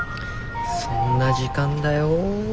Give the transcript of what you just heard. そんな時間だよ。